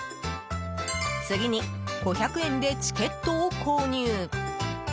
次に５００円でチケットを購入。